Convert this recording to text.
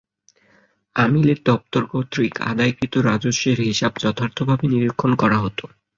আমিলের দপ্তর কর্তৃক আদায়কৃত রাজস্বের হিসাব যথার্থভাবে নিরীক্ষণ করা হতো।